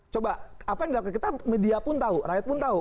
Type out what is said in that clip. coba apa yang dilakukan kita media pun tahu rakyat pun tahu